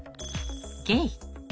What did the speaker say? ゲイ。